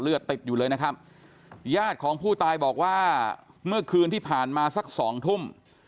ติดอยู่เลยนะครับญาติของผู้ตายบอกว่าเมื่อคืนที่ผ่านมาสักสองทุ่ม